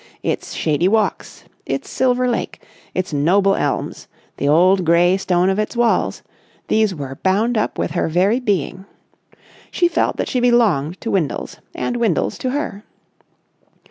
Its shady walks, its silver lake, its noble elms, the old grey stone of its walls—these were bound up with her very being. She felt that she belonged to Windles, and Windles to her.